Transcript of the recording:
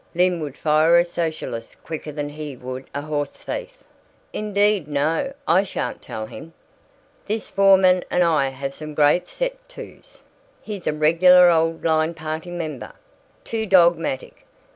Lym would fire a socialist quicker than he would a horse thief!)" "Indeed no, I sha'n't tell him." "This foreman and I have some great set to's. He's a regular old line party member. Too dogmatic.